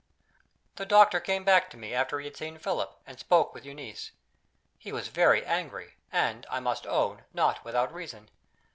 The doctor came back to me, after he had seen Philip, and spoken with Euneece. He was very angry; and, I must own, not without reason.